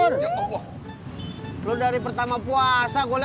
nih mak udah bikin sambal kacangnya